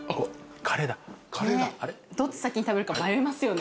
どっち先に食べるか迷いますよね。